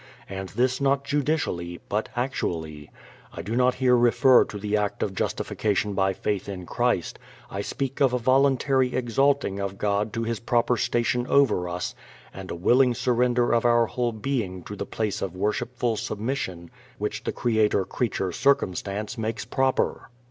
And this not judicially, but actually. I do not here refer to the act of justification by faith in Christ. I speak of a voluntary exalting of God to His proper station over us and a willing surrender of our whole being to the place of worshipful submission which the Creator creature circumstance makes proper.